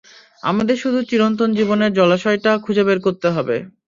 আমাদের শুধু চিরন্তন জীবনের জলাশয়টা খুঁজে বের করতে হবে।